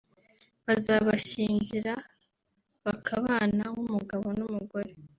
bazabashyingira bakabana nk’umugabo n’umugore